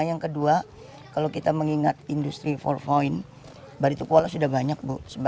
yang kedua kalau kita mengingat industri for point baritukwala sudah banyak bu